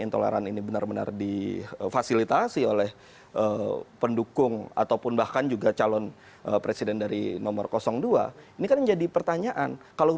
terima kasih terima kasih